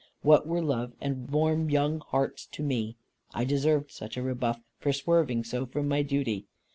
What were love and warm young hearts to me? I deserved such a rebuff for swerving so from my duty.